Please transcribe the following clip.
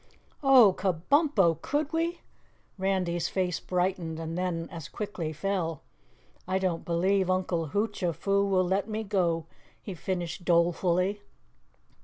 "Oh, Kabumpo, could we?" Randy's face brightened and then as quickly fell. "I don't believe Uncle Hoochafoo will let me go," he finished dolefully.